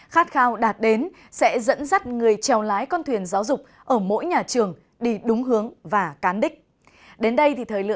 khát khao đạt đến sẽ dẫn dắt người treo lái con thuyền giáo dục ở mỗi nhà trường đi đúng hướng và cán đích